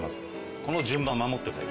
この順番は守ってください。